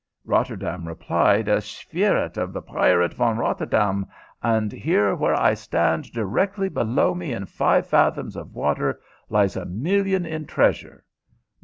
Rotterdaam replied, "A spherit of the poirate Von Rotterdaam; and here where I stand, directly below me, in five fathoms of water, lies a million in treasure."